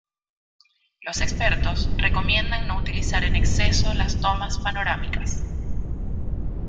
Los expertos recomiendan no utilizar en exceso las tomas panorámicas.